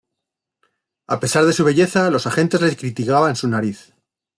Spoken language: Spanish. A pesar de su belleza, los agentes le criticaban su nariz.